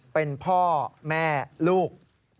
เป็นพ่อแม่ลูก